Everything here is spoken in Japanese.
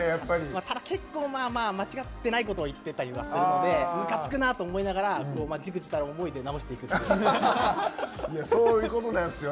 ただ、結構間違ってないことを言ってたりはするのでむかつくなと思いながらじくじたる思いで直して。